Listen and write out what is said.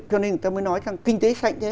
cho nên người ta mới nói rằng kinh tế sạch thế